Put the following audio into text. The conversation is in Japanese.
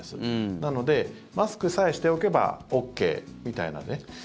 なので、マスクさえしておけばＯＫみたいなね。